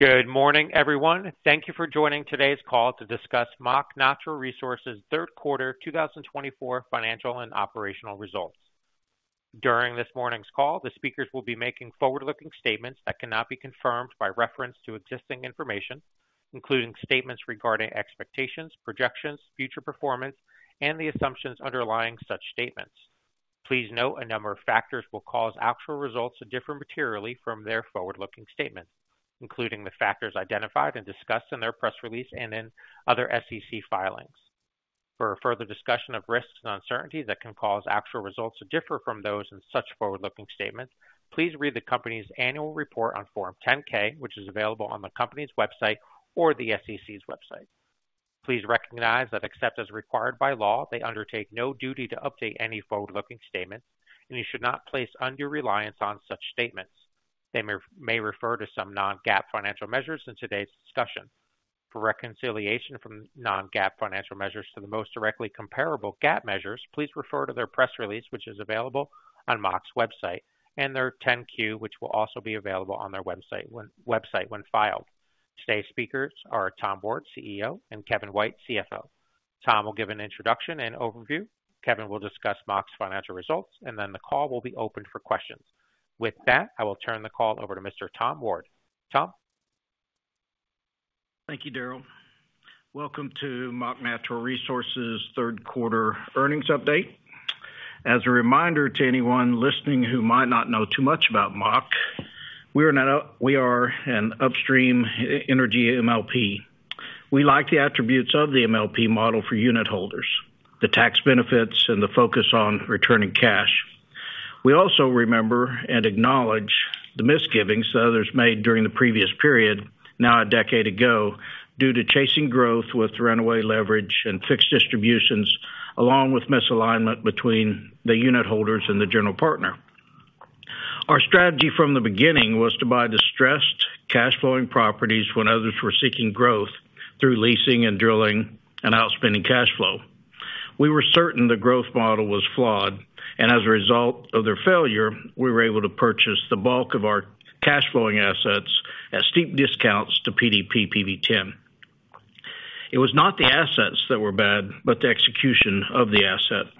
Good morning, everyone. Thank you for joining today's call to discuss Mach Natural Resources' third quarter 2024 financial and operational results. During this morning's call, the speakers will be making forward-looking statements that cannot be confirmed by reference to existing information, including statements regarding expectations, projections, future performance, and the assumptions underlying such statements. Please note a number of factors will cause actual results to differ materially from their forward-looking statements, including the factors identified and discussed in their press release and in other SEC filings. For further discussion of risks and uncertainties that can cause actual results to differ from those in such forward-looking statements, please read the company's annual report on Form 10-K, which is available on the company's website or the SEC's website. Please recognize that, except as required by law, they undertake no duty to update any forward-looking statements, and you should not place undue reliance on such statements. They may refer to some non-GAAP financial measures in today's discussion. For reconciliation from non-GAAP financial measures to the most directly comparable GAAP measures, please refer to their press release, which is available on Mach's website, and their 10-Q, which will also be available on their website when filed. Today's speakers are Tom Ward, CEO, and Kevin White, CFO. Tom will give an introduction and overview. Kevin will discuss Mach's financial results, and then the call will be open for questions. With that, I will turn the call over to Mr. Tom Ward. Tom. Thank you, Daryl. Welcome to Mach Natural Resources' third quarter earnings update. As a reminder to anyone listening who might not know too much about Mach, we are an upstream energy MLP. We like the attributes of the MLP model for unit holders, the tax benefits, and the focus on returning cash. We also remember and acknowledge the misgivings that others made during the previous period, now a decade ago, due to chasing growth with runaway leverage and fixed distributions, along with misalignment between the unit holders and the general partner. Our strategy from the beginning was to buy distressed, cash-flowing properties when others were seeking growth through leasing and drilling and outspending cash flow. We were certain the growth model was flawed, and as a result of their failure, we were able to purchase the bulk of our cash-flowing assets at steep discounts to PDP/PV-10. It was not the assets that were bad, but the execution of the asset.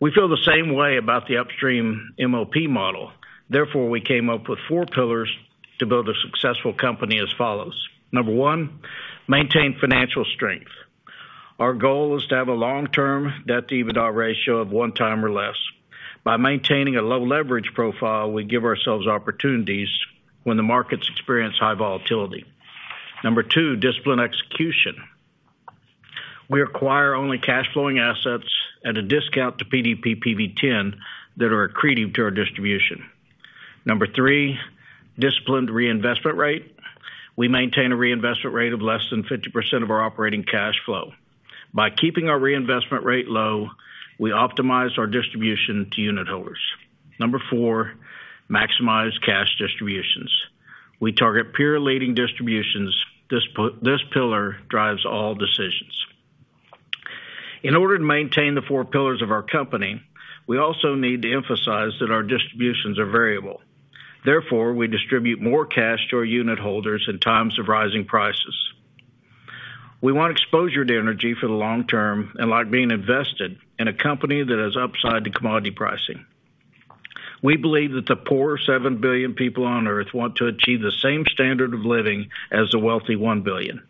We feel the same way about the upstream MLP model. Therefore, we came up with four pillars to build a successful company as follows. Number one, maintain financial strength. Our goal is to have a long-term debt-to-EBITDA ratio of one time or less. By maintaining a low leverage profile, we give ourselves opportunities when the markets experience high volatility. Number two, discipline execution. We acquire only cash-flowing assets at a discount to PDP/PV-10 that are accretive to our distribution. Number three, disciplined reinvestment rate. We maintain a reinvestment rate of less than 50% of our operating cash flow. By keeping our reinvestment rate low, we optimize our distribution to unit holders. Number four, maximize cash distributions. We target peer-leading distributions. This pillar drives all decisions. In order to maintain the four pillars of our company, we also need to emphasize that our distributions are variable. Therefore, we distribute more cash to our unit holders in times of rising prices. We want exposure to energy for the long term and like being invested in a company that has upside to commodity pricing. We believe that the poorer 7 billion people on Earth want to achieve the same standard of living as the wealthy 1 billion.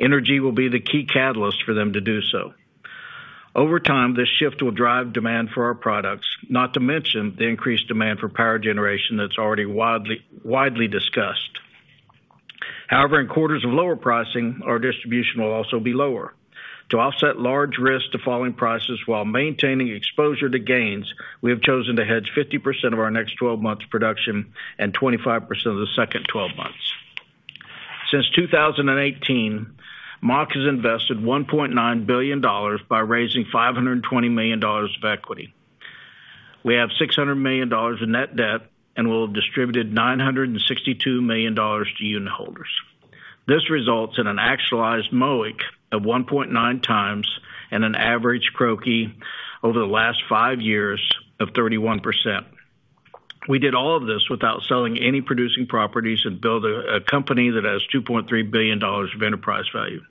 Energy will be the key catalyst for them to do so. Over time, this shift will drive demand for our products, not to mention the increased demand for power generation that's already widely discussed. However, in quarters of lower pricing, our distribution will also be lower. To offset large risks to falling prices while maintaining exposure to gains, we have chosen to hedge 50% of our next 12 months' production and 25% of the second 12 months. Since 2018, Mach has invested $1.9 billion by raising $520 million of equity. We have $600 million in net debt and will have distributed $962 million to unit holders. This results in an actualized MOIC of 1.9 times and an average CROIC over the last five years of 31%. We did all of this without selling any producing properties and built a company that has $2.3 billion of enterprise value.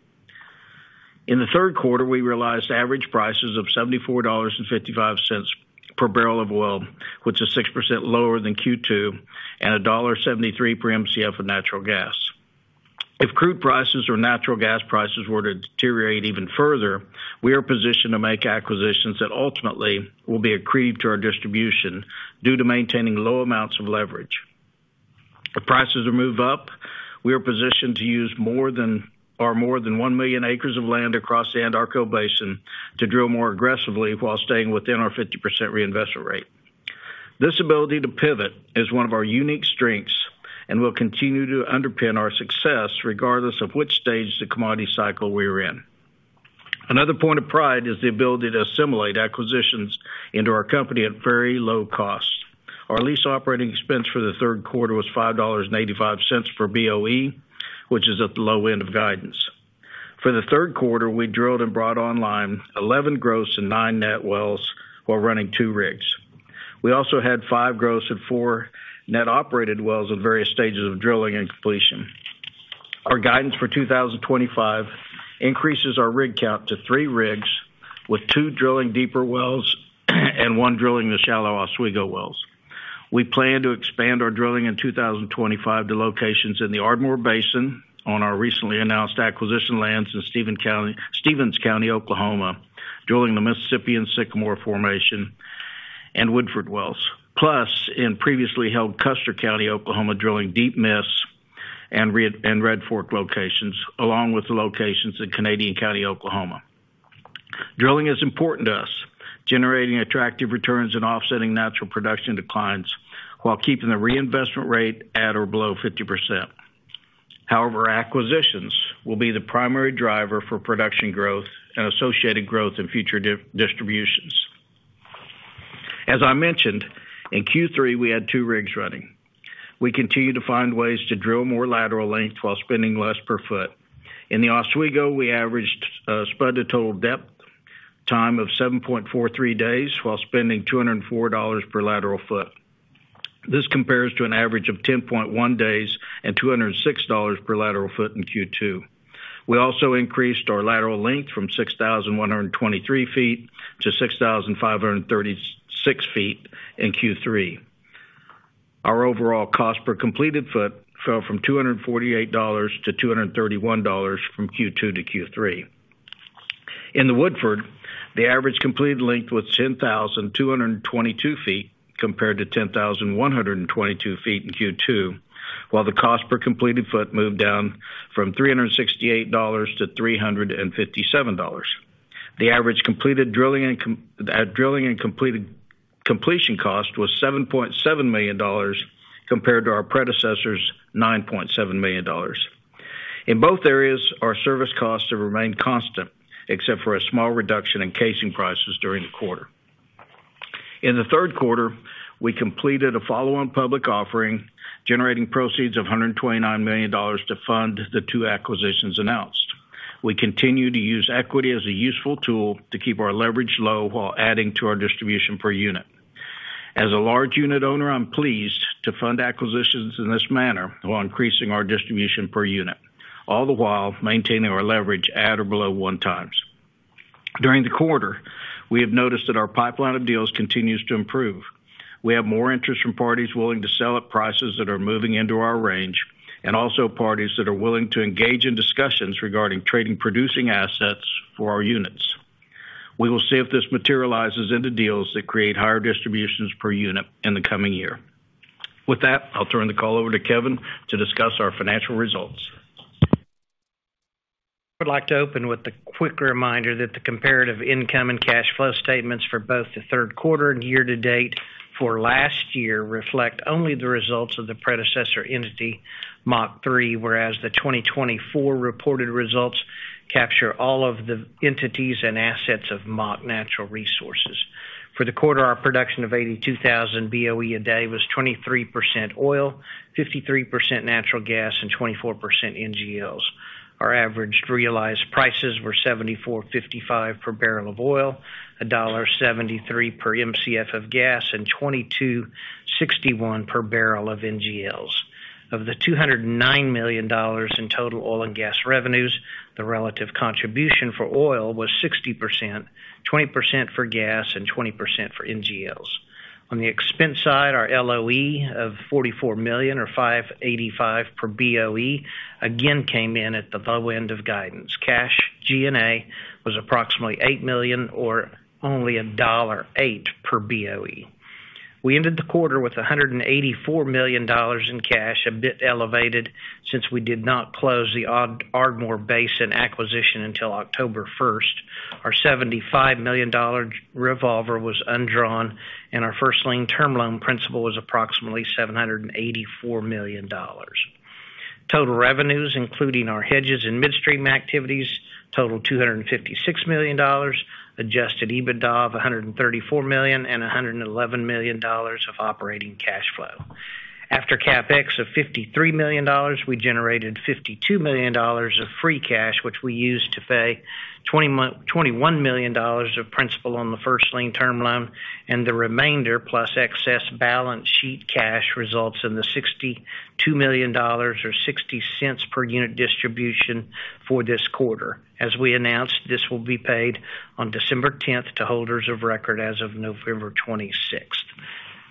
In the third quarter, we realized average prices of $74.55 per barrel of oil, which is 6% lower than Q2 and $1.73 per MCF of natural gas. If crude prices or natural gas prices were to deteriorate even further, we are positioned to make acquisitions that ultimately will be accretive to our distribution due to maintaining low amounts of leverage. If prices move up, we are positioned to use more than 1 million acres of land across the Anadarko Basin to drill more aggressively while staying within our 50% reinvestment rate. This ability to pivot is one of our unique strengths and will continue to underpin our success regardless of which stage of the commodity cycle we are in. Another point of pride is the ability to assimilate acquisitions into our company at very low cost. Our lease operating expense for the third quarter was $5.85 for BOE, which is at the low end of guidance. For the third quarter, we drilled and brought online 11 gross and nine net wells while running two rigs. We also had five gross and four net operated wells in various stages of drilling and completion. Our guidance for 2025 increases our rig count to three rigs with two drilling deeper wells and one drilling the shallow Oswego wells. We plan to expand our drilling in 2025 to locations in the Ardmore Basin on our recently announced acquisition lands in Stephens County, Oklahoma, drilling the Mississippian and Sycamore Formation and Woodford wells, plus in previously held Custer County, Oklahoma, drilling Deep Miss and Red Fork locations, along with the locations in Canadian County, Oklahoma. Drilling is important to us, generating attractive returns and offsetting natural production declines while keeping the reinvestment rate at or below 50%. However, acquisitions will be the primary driver for production growth and associated growth in future distributions. As I mentioned, in Q3, we had two rigs running. We continue to find ways to drill more lateral length while spending less per foot. In the Oswego, we averaged spud to total depth time of 7.43 days while spending $204 per lateral foot. This compares to an average of 10.1 days and $206 per lateral foot in Q2. We also increased our lateral length from 6,123 feet to 6,536 feet in Q3. Our overall cost per completed foot fell from $248 to $231 from Q2 to Q3. In the Woodford, the average completed length was 10,222 feet compared to 10,122 feet in Q2, while the cost per completed foot moved down from $368 to $357. The average completed drilling and completion cost was $7.7 million compared to our predecessor's $9.7 million. In both areas, our service costs have remained constant, except for a small reduction in casing prices during the quarter. In the third quarter, we completed a follow-on public offering, generating proceeds of $129 million to fund the two acquisitions announced. We continue to use equity as a useful tool to keep our leverage low while adding to our distribution per unit. As a large unit owner, I'm pleased to fund acquisitions in this manner while increasing our distribution per unit, all the while maintaining our leverage at or below one times. During the quarter, we have noticed that our pipeline of deals continues to improve. We have more interest from parties willing to sell at prices that are moving into our range and also parties that are willing to engage in discussions regarding trading producing assets for our units. We will see if this materializes into deals that create higher distributions per unit in the coming year. With that, I'll turn the call over to Kevin to discuss our financial results. I would like to open with a quick reminder that the comparative income and cash flow statements for both the third quarter and year to date for last year reflect only the results of the predecessor entity, Mach III, whereas the 2024 reported results capture all of the entities and assets of Mach Natural Resources. For the quarter, our production of 82,000 BOE a day was 23% oil, 53% natural gas, and 24% NGLs. Our averaged realized prices were $7,455 per barrel of oil, $1.73 per MCF of gas, and $2,261 per barrel of NGLs. Of the $209 million in total oil and gas revenues, the relative contribution for oil was 60%, 20% for gas, and 20% for NGLs. On the expense side, our LOE of $44 million, or $585 per BOE, again came in at the low end of guidance. Cash G&A was approximately $8 million, or only $1.08 per BOE. We ended the quarter with $184 million in cash, a bit elevated since we did not close the Ardmore Basin acquisition until October 1st. Our $75 million revolver was undrawn, and our first-lien term loan principal was approximately $784 million. Total revenues, including our hedges and midstream activities, totaled $256 million, Adjusted EBITDA of $134 million, and $111 million of operating cash flow. After CapEx of $53 million, we generated $52 million of free cash, which we used to pay $21 million of principal on the first-lien term loan, and the remainder, plus excess balance sheet cash, results in the $62 million, or $0.60 per unit distribution for this quarter. As we announced, this will be paid on December 10th to holders of record as of November 26th.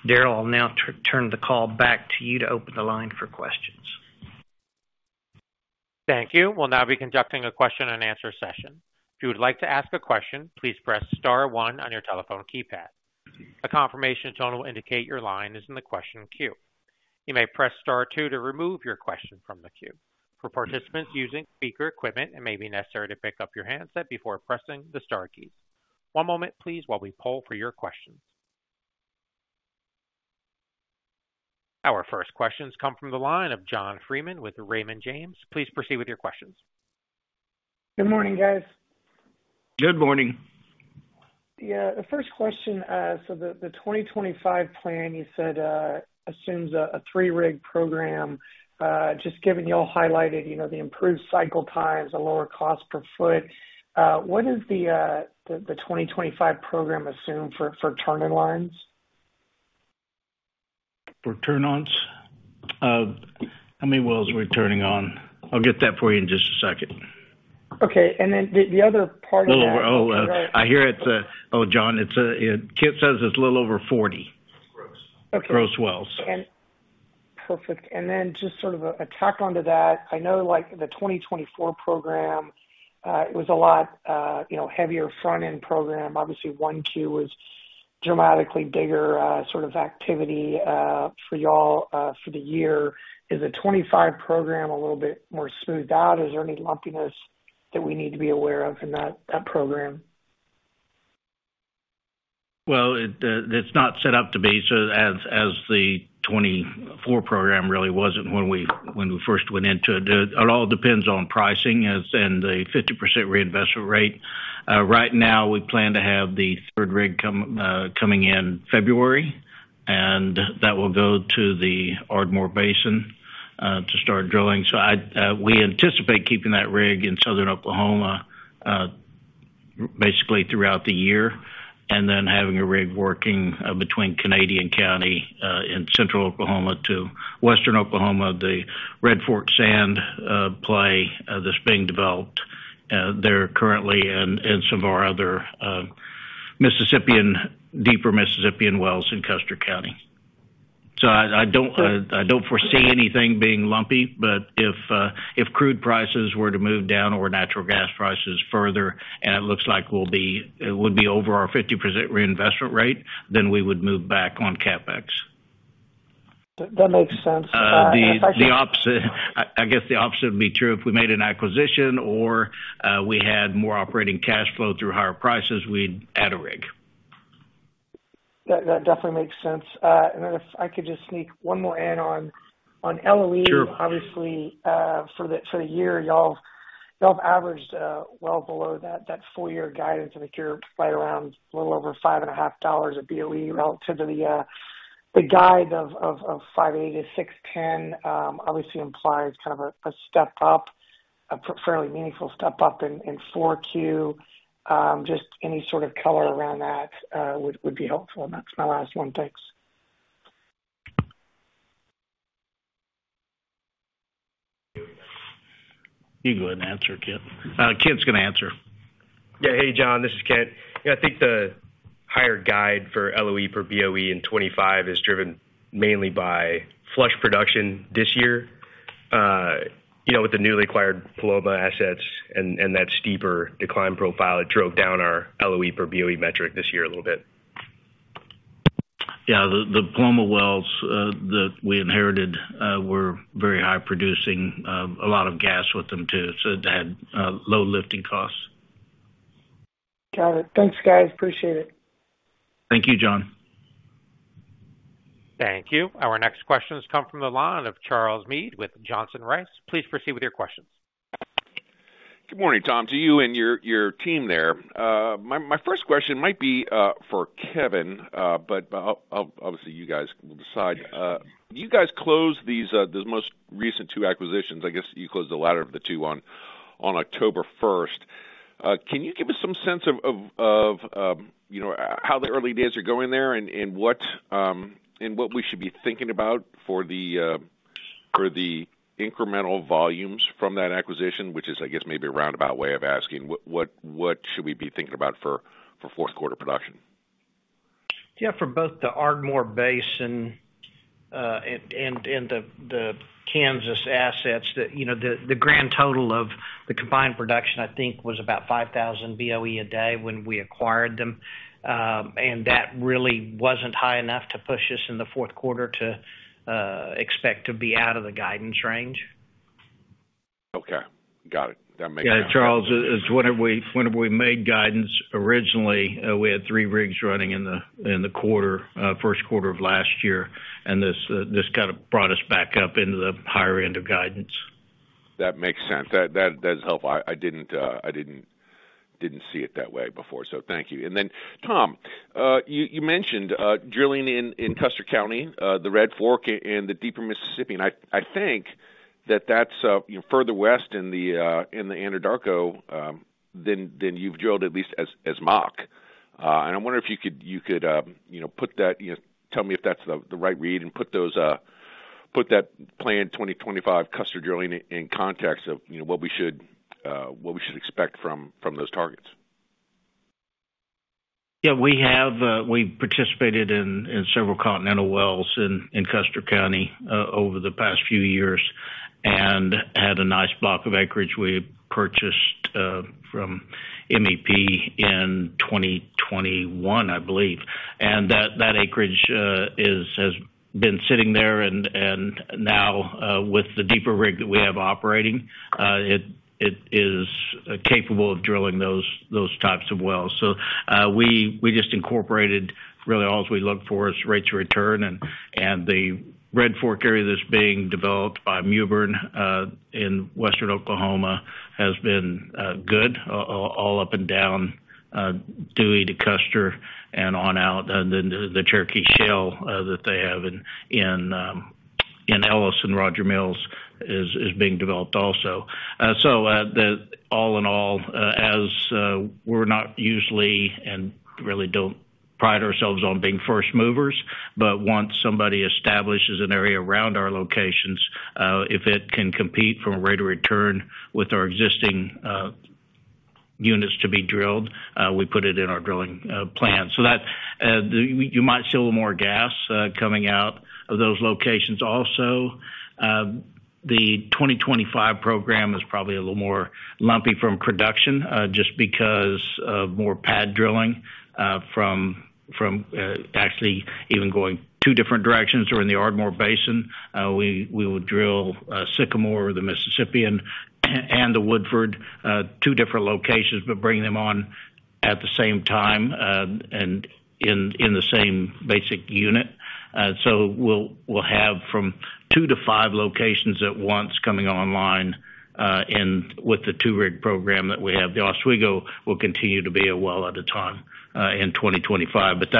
Daryl, I'll now turn the call back to you to open the line for questions. Thank you. We'll now be conducting a question-and-answer session. If you would like to ask a question, please press star one on your telephone keypad. A confirmation tone will indicate your line is in the question queue. You may press star two to remove your question from the queue. For participants using speaker equipment, it may be necessary to pick up your handset before pressing the star keys. One moment, please, while we poll for your questions. Our first questions come from the line of John Freeman with Raymond James. Please proceed with your questions. Good morning, guys. Good morning. The first question, so the 2025 plan, you said, assumes a three-rig program. Just given you all highlighted the improved cycle times, a lower cost per foot, what does the 2025 program assume for turn-on lines? For turn-ons? How many wells are we turning on? I'll get that for you in just a second. Okay. And then the other part of that. A little over. I hear it's, oh, John, it says it's a little over 40 gross wells. Perfect. And then just sort of a tack on to that, I know the 2024 program, it was a lot heavier front-end program. Obviously, Q1 was dramatically bigger sort of activity for y'all for the year. Is the 2025 program a little bit more smoothed out? Is there any lumpiness that we need to be aware of in that program? It's not set up to be as the 2024 program really wasn't when we first went into it. It all depends on pricing and the 50% reinvestment rate. Right now, we plan to have the third rig coming in February, and that will go to the Ardmore Basin to start drilling. So we anticipate keeping that rig in southern Oklahoma basically throughout the year and then having a rig working between Canadian County in central Oklahoma to western Oklahoma, the Red Fork Sand play that's being developed. They're currently in some of our other deeper Mississippian wells in Custer County. So I don't foresee anything being lumpy, but if crude prices were to move down or natural gas prices further, and it looks like it would be over our 50% reinvestment rate, then we would move back on Capex. That makes sense. I guess the opposite would be true. If we made an acquisition or we had more operating cash flow through higher prices, we'd add a rig. That definitely makes sense. And if I could just sneak one more in on LOE, obviously, for the year, y'all have averaged well below that full-year guidance, and if you're right around a little over $5.50 a BOE relative to the guide of $5.8-$6.10, obviously implies kind of a step up, a fairly meaningful step up in Q4. Just any sort of color around that would be helpful. And that's my last one. Thanks. You can go ahead and answer, Kent. Kent's going to answer. Yeah. Hey, John, this is Kent. I think the higher guide for LOE per BOE in 2025 is driven mainly by flush production this year. With the newly acquired Paloma assets and that steeper decline profile, it drove down our LOE per BOE metric this year a little bit. Yeah. The Paloma wells that we inherited were very high producing, a lot of gas with them too, so it had low lifting costs. Got it. Thanks, guys. Appreciate it. Thank you, John. Thank you. Our next questions come from the line of Charles Meade with Johnson Rice. Please proceed with your questions. Good morning, Tom, to you and your team there. My first question might be for Kevin, but obviously, you guys will decide. You guys closed these most recent two acquisitions. I guess you closed the latter of the two on October 1st. Can you give us some sense of how the early days are going there and what we should be thinking about for the incremental volumes from that acquisition, which is, I guess, maybe a roundabout way of asking, what should we be thinking about for fourth quarter production? Yeah. For both the Ardmore Basin and the Kansas assets, the grand total of the combined production, I think, was about 5,000 BOE a day when we acquired them, and that really wasn't high enough to push us in the fourth quarter to expect to be out of the guidance range. Okay. Got it. That makes sense. Yeah. Charles, when we made guidance originally, we had three rigs running in the first quarter of last year, and this kind of brought us back up into the higher end of guidance. That makes sense. That does help. I didn't see it that way before. So thank you. And then, Tom, you mentioned drilling in Custer County, the Red Fork, and the deeper Mississippian. And I think that that's further west in the Anadarko than you've drilled, at least as Mach. And I wonder if you could put that, tell me if that's the right read, and put that planned 2025 Custer drilling in context of what we should expect from those targets. Yeah. We participated in several Continental wells in Custer County over the past few years and had a nice block of acreage we purchased from MEP in 2021, I believe. And that acreage has been sitting there. And now, with the deeper rig that we have operating, it is capable of drilling those types of wells. So we just incorporated really all we look for is rates of return. And the Red Fork area that's being developed by Mewbourne in western Oklahoma has been good, all up and down Dewey to Custer and on out. And then the Cherokee Shale that they have in Ellis and Roger Mills is being developed also. So all in all, as we're not usually and really don't pride ourselves on being first movers, but once somebody establishes an area around our locations, if it can compete for a rate of return with our existing units to be drilled, we put it in our drilling plan. So you might see a little more gas coming out of those locations. Also, the 2025 program is probably a little more lumpy from production just because of more pad drilling from actually even going two different directions or in the Ardmore Basin. We will drill Sycamore or the Mississippian and the Woodford, two different locations, but bring them on at the same time and in the same basic unit. So we'll have from two to five locations at once coming online with the two-rig program that we have. The Oswego will continue to be a well at a time in 2025. But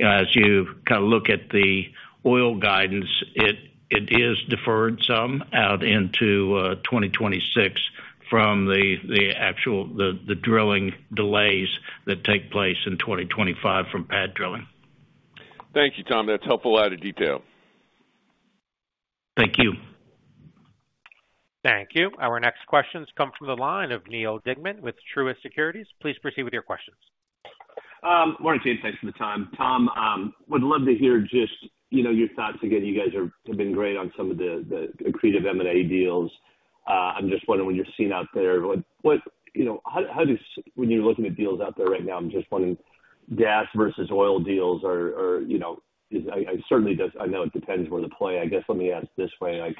as you kind of look at the oil guidance, it is deferred some out into 2026 from the actual drilling delays that take place in 2025 from pad drilling. Thank you, Tom. That's helpful, a lot of detail. Thank you. Thank you. Our next questions come from the line of Neal Dingmann with Truist Securities. Please proceed with your questions. Morning, team. Thanks for the time. Tom, would love to hear just your thoughts again. You guys have been great on some of the accretive M&A deals. I'm just wondering when you're seeing out there, how do you, when you're looking at deals out there right now. I'm just wondering, gas versus oil deals are. I certainly know it depends where the play. I guess let me ask this way. If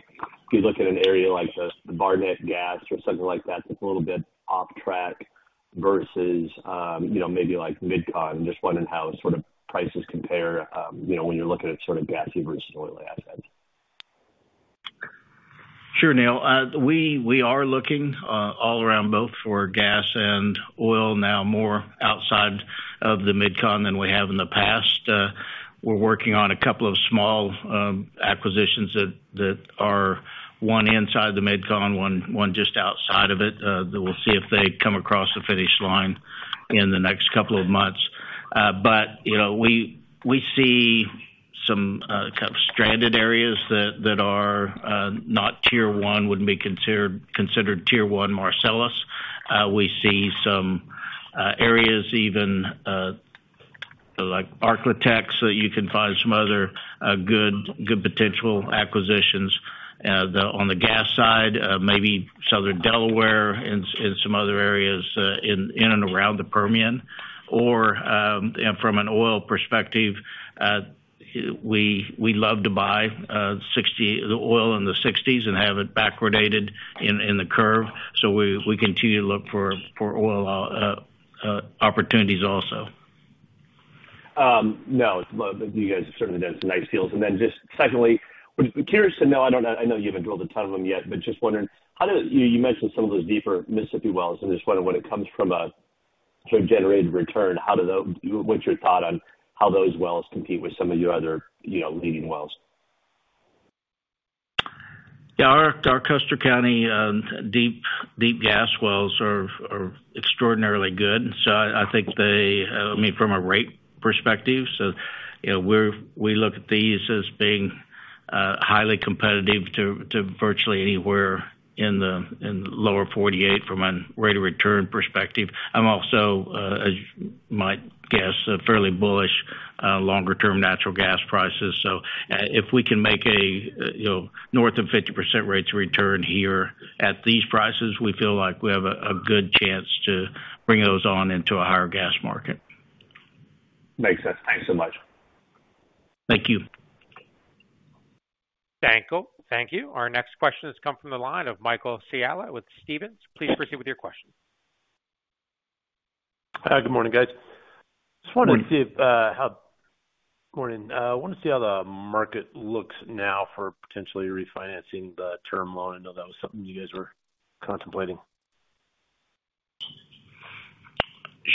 you look at an area like the Barnett Gas or something like that, that's a little bit off track versus maybe like Midcon, just wondering how sort of prices compare when you're looking at sort of gas versus oil assets. Sure, Neil. We are looking all around both for gas and oil now, more outside of the Midcon than we have in the past. We're working on a couple of small acquisitions that are one inside the Midcon, one just outside of it. We'll see if they come across the finish line in the next couple of months. But we see some kind of stranded areas that are not tier one, wouldn't be considered tier one Marcellus. We see some areas even like Ark-La-Tex that you can find some other good potential acquisitions on the gas side, maybe southern Delaware and some other areas in and around the Permian. Or from an oil perspective, we love to buy the oil in the 60s and have it backwardated in the curve. So we continue to look for oil opportunities also. No, you guys have certainly done some nice deals. And then just secondly, I'm curious to know, I know you haven't drilled a ton of them yet, but just wondering, you mentioned some of those deeper Mississippian wells. And just wondering when it comes from a sort of generated return, what's your thought on how those wells compete with some of your other leading wells? Yeah. Our Custer County deep gas wells are extraordinarily good. So I think they, I mean, from a rate perspective, so we look at these as being highly competitive to virtually anywhere in the lower 48 from a rate of return perspective. I'm also, I guess, fairly bullish on longer-term natural gas prices. So if we can make north of 50% rates of return here at these prices, we feel like we have a good chance to bring those on into a higher gas market. Makes sense. Thanks so much. Thank you. Thank you. Our next questions come from the line of Michael Scialla with Stephens. Please proceed with your questions. Good morning, guys. I want to see how the market looks now for potentially refinancing the term loan. I know that was something you guys were contemplating.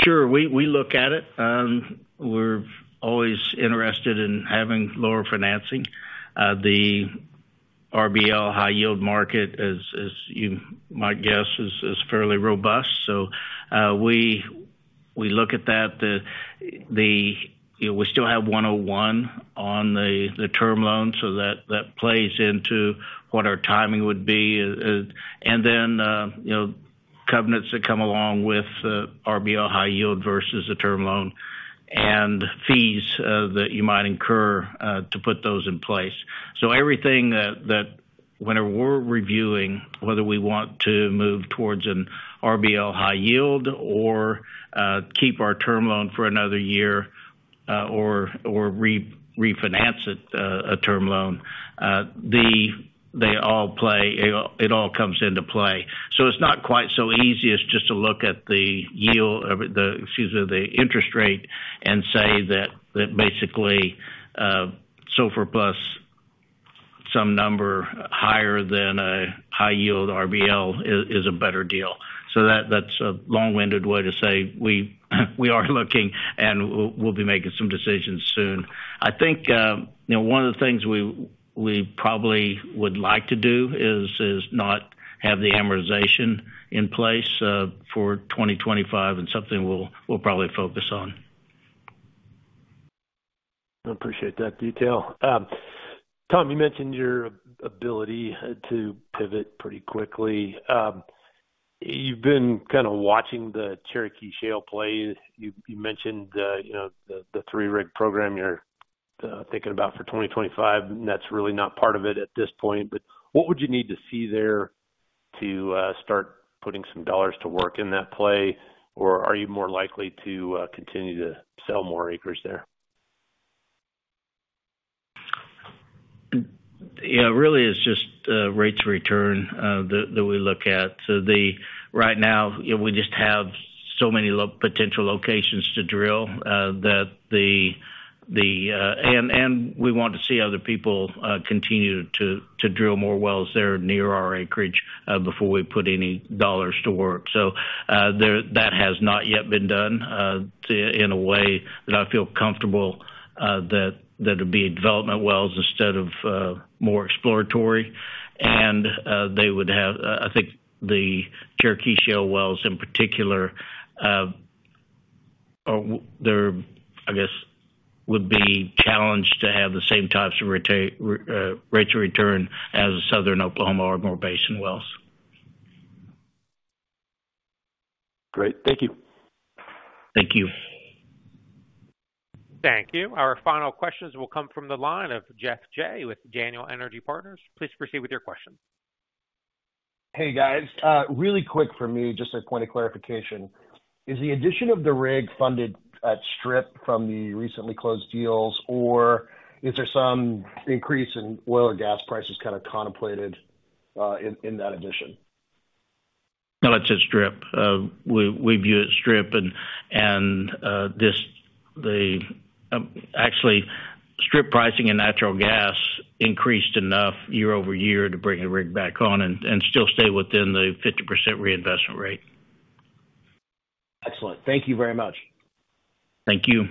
Sure. We look at it. We're always interested in having lower financing. The RBL high-yield market, as you might guess, is fairly robust. So we look at that. We still have 101 on the term loan, so that plays into what our timing would be. And then covenants that come along with RBL high-yield versus a term loan and fees that you might incur to put those in place. So everything that whenever we're reviewing, whether we want to move towards an RBL high-yield or keep our term loan for another year or refinance a term loan, they all play. It all comes into play. So it's not quite so easy as just to look at the yield, excuse me, the interest rate, and say that basically SOFR plus some number higher than a high-yield RBL is a better deal. So that's a long-winded way to say we are looking, and we'll be making some decisions soon. I think one of the things we probably would like to do is not have the amortization in place for 2025, and something we'll probably focus on. I appreciate that detail. Tom, you mentioned your ability to pivot pretty quickly. You've been kind of watching the Cherokee Shale play. You mentioned the three-rig program you're thinking about for 2025, and that's really not part of it at this point. But what would you need to see there to start putting some dollars to work in that play, or are you more likely to continue to sell more acres there? Yeah. Really, it's just rates of return that we look at. So right now, we just have so many potential locations to drill that, and we want to see other people continue to drill more wells that are near our acreage before we put any dollars to work. So that has not yet been done in a way that I feel comfortable that it would be development wells instead of more exploratory. And they would have, I think the Cherokee Shale wells in particular, I guess, would be challenged to have the same types of rates of return as southern Oklahoma Ardmore Basin wells. Great. Thank you. Thank you. Thank you. Our final questions will come from the line of Geoff Jay with Daniel Energy Partners. Please proceed with your questions. Hey, guys. Really quick for me, just a point of clarification. Is the addition of the rig funded at strip from the recently closed deals, or is there some increase in oil or gas prices kind of contemplated in that addition? No, that's at strip. We view it strip. And actually, strip pricing and natural gas increased enough year-over-year to bring the rig back on and still stay within the 50% reinvestment rate. Excellent. Thank you very much. Thank you.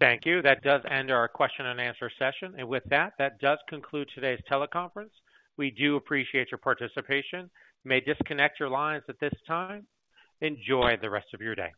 Thank you. That does end our question and answer session. And with that, that does conclude today's teleconference. We do appreciate your participation. You may disconnect your lines at this time. Enjoy the rest of your day.